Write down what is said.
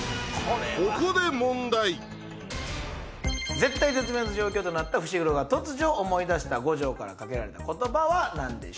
絶体絶命の状況となった伏黒が突如思い出した五条から掛けられた言葉はなんでしょう？